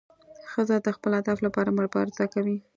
ښځه د خپل هدف لپاره مبارزه کوي.